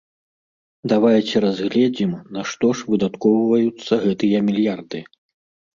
Давайце разгледзім, на што ж выдаткоўваюцца гэтыя мільярды?